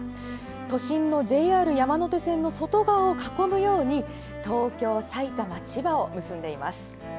都心のＪＲ山手線の外側を囲むように東京、埼玉、千葉を結んでいます。